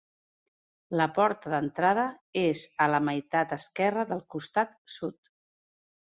La porta d'entrada és a la meitat esquerra del costat sud.